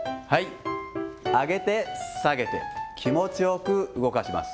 上げて、下げて、気持ちよく動かします。